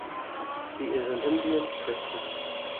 He is an Indian Christian.